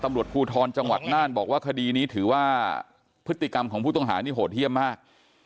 ตำรวจภูทรจังหวัดน่านบอกว่าคดีนี้ถือว่าพฤติกรรมของผู้ต้องหานี่โหดเยี่ยมมาก